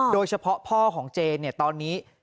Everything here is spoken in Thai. โดยเฉพาะพ่อของเจนตอนนี้